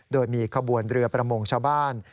โดยมีขบวนเรือประมงชาวบ้าน